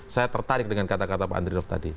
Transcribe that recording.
saya tertarik dengan kata kata pak andri rof tadi